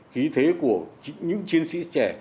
khí thế của những chiến sĩ trẻ